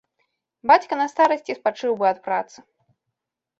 Бацька на старасці спачыў бы ад працы.